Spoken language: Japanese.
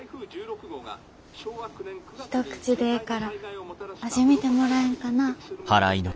一口でええから味見てもらえんかな？